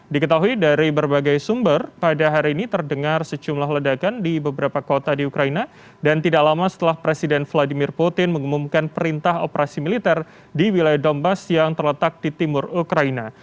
diketahui dari berbagai sumber pada hari ini terdengar secumlah ledakan di beberapa kota di ukraina dan tidak lama setelah presiden vladimir putin mengumumkan perintah operasi militer di wilayah dombas yang terletak di timur ukraina